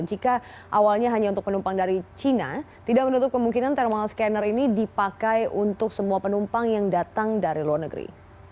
jika awalnya hanya untuk penumpang dari cina tidak menutup kemungkinan thermal scanner ini dipakai untuk semua penumpang yang datang dari luar negeri